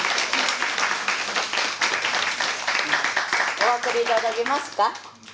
お分かり頂けますか？